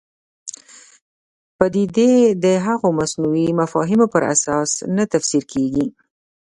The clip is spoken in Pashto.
پدیدې د هغو مصنوعي مفاهیمو پر اساس نه تفسیر کېږي.